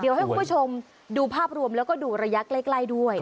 เดี๋ยวให้คุณผู้ชมดูภาพรวมแล้วก็ดูระยะใกล้ด้วย